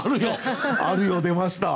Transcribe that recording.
「あるよ」出ました。